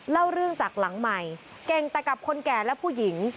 เล่าเรื่องจากหลังใหม่เก่งแต่กับคนแก่และผู้หญิง